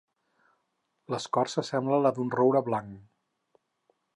L'escorça sembla la d'un roure blanc.